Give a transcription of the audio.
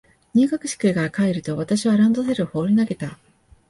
入学式から帰ると、私はランドセルを放り投げた。